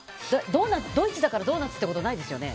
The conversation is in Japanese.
ドイツだからドーナツってことないですよね？